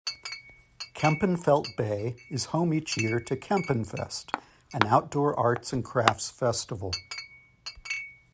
Kempenfelt Bay is home each year to Kempenfest, an outdoor arts and crafts festival.